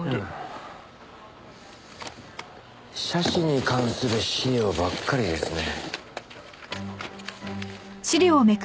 社史に関する資料ばっかりですね。